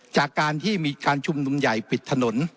จากการที่มีการชุมนุมใหญ่ปิดถนน